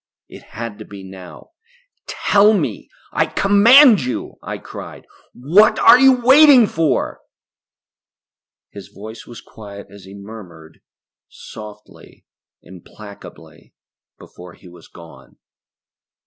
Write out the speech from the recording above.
It had to be now! "Tell me. I command you," I cried. "What are you waiting for?" His voice was quiet as he murmured, softly, implacably, before he was gone.